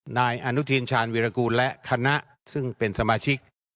นายอนุทินชาญวิรากูลและคณะซึ่งเป็นสมาชิก